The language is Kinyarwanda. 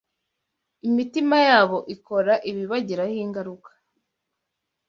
imitima yabo ikora ibibagiraho ingaruka